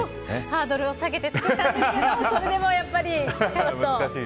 ハードルを下げて作ったんですけどそれでも、やっぱり。